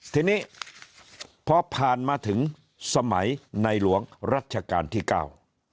ทีนี้พอผ่านมาถึงสมัยในหลวงรัชกาลที่เก้า